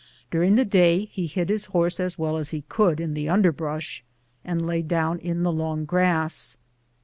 During the day he hid his horse as well as he could in the underbrush, and lay down in the long grass.